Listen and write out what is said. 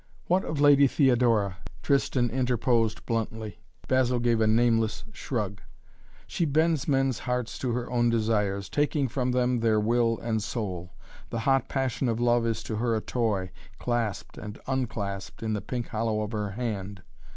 "What of the Lady Theodora?" Tristan interposed bluntly. Basil gave a nameless shrug. "She bends men's hearts to her own desires, taking from them their will and soul. The hot passion of love is to her a toy, clasped and unclasped in the pink hollow of her hand."